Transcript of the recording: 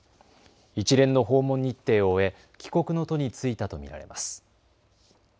一連の訪問日程を終え帰国の途に就いたと見られます。